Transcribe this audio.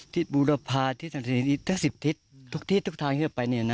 ทิศถังสิบทิศทุกทิศทุกทางเท่าไหร่ไปเนี้ยน่ะ